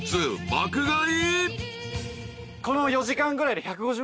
爆買い］